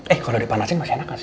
eh kalau dipanasin masih enak gak sih